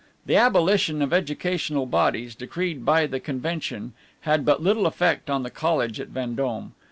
The abolition of educational bodies, decreed by the convention, had but little effect on the college at Vendome.